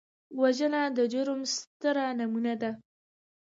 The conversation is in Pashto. وژنه د جرم ستره نمونه ده